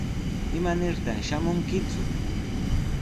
¿Imanirtaq shamunkiku?